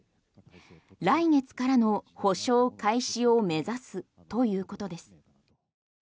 来月からの補償開始を目指すということです。